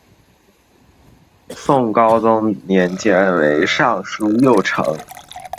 宋高宗年间为尚书右丞。